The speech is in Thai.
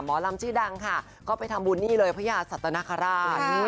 หมอลำชื่อดังค่ะก็ไปทำบุญนี่เลยพระยาสัตนคราช